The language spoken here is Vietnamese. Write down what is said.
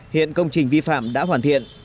hiện công trình vi phạm đã hoàn thiện